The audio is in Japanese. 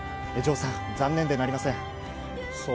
城さん、残念でなりません。